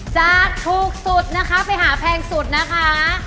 จากถูกสุดนะคะไปหาแพงสุดนะคะ